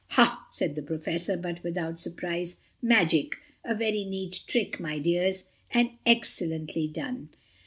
"Ha," said the Professor, but without surprise. "Magic. A very neat trick, my dears, and excellently done."